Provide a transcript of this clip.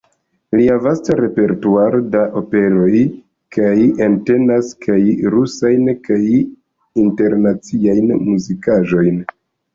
Lia vasta repertuaro da operoj kaj entenas kaj rusajn kaj internaciajn muzikaĵojn.